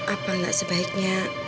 apa gak sebaiknya